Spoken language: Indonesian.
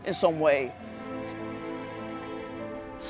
ketika dia berada di kota